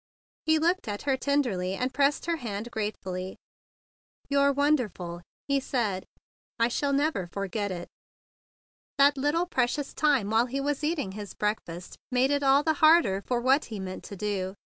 He looked at her tenderly, and pressed her hand gratefully. "You're wonderful!" he said. "I shall never forget it." That little precious time while he was eating his breakfast made it all the harder for what he meant to do.